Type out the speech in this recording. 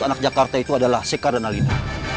anak jakarta itu adalah sekar dan alina